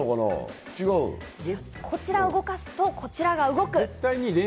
こちらを動かすとこちらが動く。